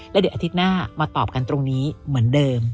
แล้วเดี๋ยวอาทิตย์หน้ามาตอบกันตรงนี้เหมือนเดิม